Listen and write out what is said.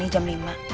ada yang mau berbicara